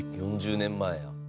「４０年前や」